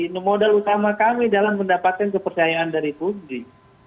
itu modal utama kami dalam mendapatkan kepercayaan dari publik